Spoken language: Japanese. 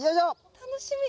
楽しみ。